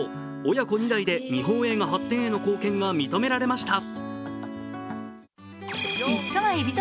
親子２代で、日本映画発展への貢献が認められました。